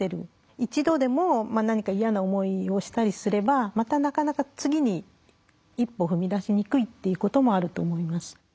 一度でも何か嫌な思いをしたりすればまたなかなか次に一歩踏み出しにくいっていうこともあると思います。